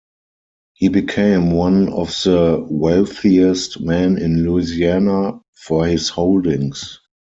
He became one of the wealthiest men in Louisiana for his holdings.